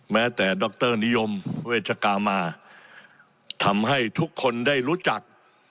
แม้แต่ดรนิยมเวชกามาทำให้ทุกคนได้รู้จัก